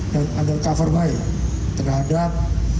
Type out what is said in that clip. dan ada cover by terhadap